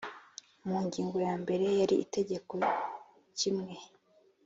mu ngingo ya mbere y iri tegeko kimwe